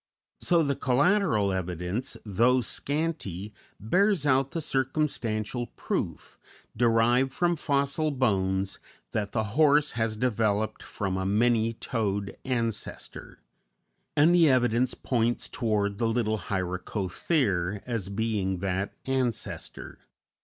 So the collateral evidence, though scanty, bears out the circumstantial proof, derived from fossil bones, that the horse has developed from a many toed ancestor; and the evidence points toward the little Hyracothere as being that ancestor.